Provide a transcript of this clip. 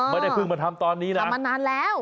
ไม่ได้เพิ่งมาทำตอนนี้นะทำมานานแล้ว